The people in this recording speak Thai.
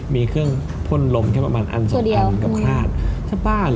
มีเครื่องพ่นลมแค่ประมาณอันสองอันกับภาษาชาวบ้าน